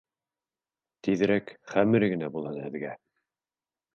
Тиҙерәк хәмер генә булһын һеҙгә.